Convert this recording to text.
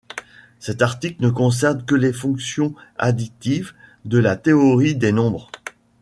Cet article ne concerne que les fonctions additives de la théorie des nombres.